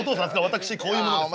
私こういう者です。